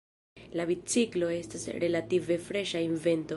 La biciklo estas relative freŝa invento.